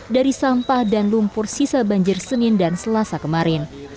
dari sampah dan lumpur sisa banjir senin dan selasa kemarin